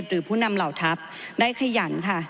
หรือผู้นำเหล่าทัพได้ขยันค่ะ